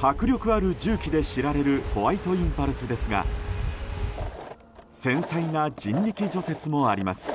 迫力ある重機で知られるホワイトインパルスですが繊細な人力除雪もあります。